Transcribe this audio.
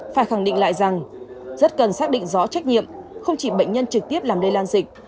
phải khẳng định lại rằng rất cần xác định rõ trách nhiệm không chỉ bệnh nhân trực tiếp làm lây lan dịch